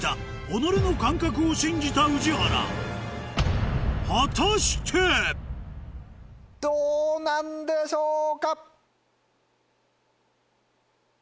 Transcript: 己の感覚を信じた宇治原果たして⁉どうなんでしょうか？